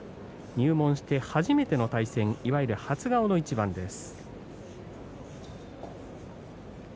入門しての初めての対戦初顔の一番です。